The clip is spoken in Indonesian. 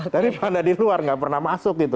dari mana di luar gak pernah masuk gitu